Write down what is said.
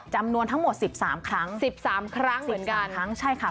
จำนวนทั้งหมดสิบสามครั้งสิบสามครั้งเหมือนกันครั้งใช่ค่ะ